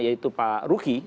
yaitu pak ruki